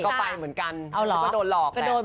ก็ไปเหมือนกันแล้วก็โดนหลอกแหละ